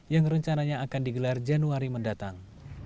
yang rencananya akan digelar januari mendatang